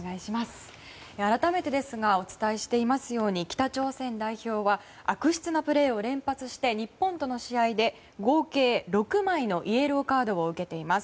改めてですがお伝えしていますように北朝鮮代表は悪質なプレーを連発して日本との試合で合計６枚のイエローカードを受けています。